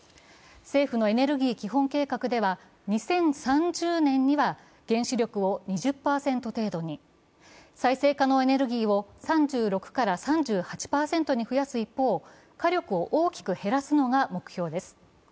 政府のエネルギー基本計画では２０３０年には原子力を２０％程度に再生可能エネルギーを３６から３８に増やす一方火力を大きく減らすのが目標です。